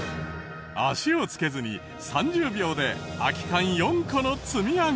足を着けずに３０秒で空き缶４個の積み上げ。